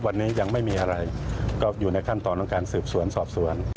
วันนี้ยังไม่มีอะไรก็อยู่ในขั้นตอนของการสืบสวนสอบสวน